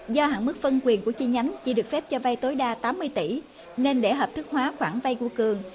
do hạn mức phân quyền của chi nhánh chỉ được phép cho vay tối đa tám mươi tỷ nên để hợp thức hóa khoản vay của cường